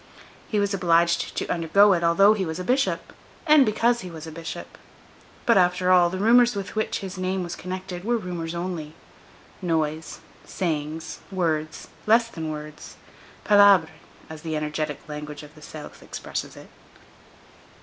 He was obliged to undergo it although he was a bishop, and because he was a bishop. But after all, the rumors with which his name was connected were rumors only,—noise, sayings, words; less than words—palabres, as the energetic language of the South expresses it.